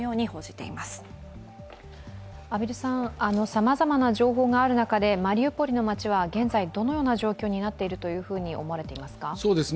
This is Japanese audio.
さまざまな情報がある中でマリウポリの街は現在どのような状況になっていると思われていますか？